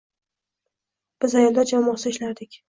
Biz ayollar jamoasida ishlardik